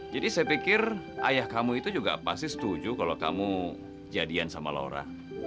jadi saya pikir ayah kamu itu juga pasti setuju kalau kamu jadian sama laura